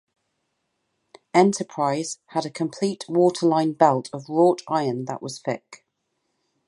"Enterprise" had a complete waterline belt of wrought iron that was thick.